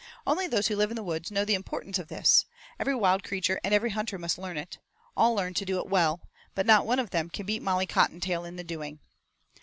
Only those who live in the woods know the importance of this; every wild creature and every hunter must learn it; all learn to do it well, but not one of them can beat Molly Cottontail in the doing.